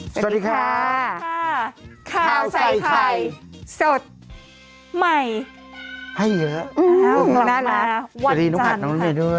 สวัสดีค่ะข้าวใส่ไข่สดใหม่ให้เยอะน่ารักสวัสดีน้องผัดน้องนุ่ม่ายด้วย